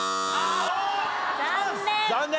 残念。